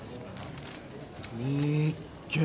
見っけ。